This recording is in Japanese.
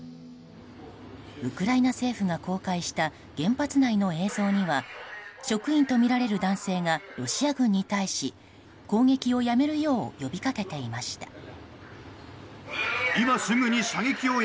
ウクライナ政府が公開した原発内の映像には職員とみられる男性がロシア軍に対し攻撃をやめるよう呼びかけていました。